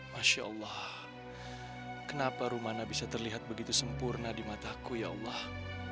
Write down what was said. masya allah kenapa rumana bisa terlihat begitu sempurna di mataku ya allah